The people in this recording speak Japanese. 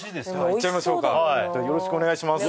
いっちゃいましょうかよろしくお願いします